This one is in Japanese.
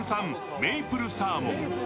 メイプルサーモン。